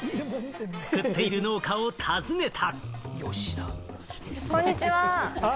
作っている農家を訪ねた。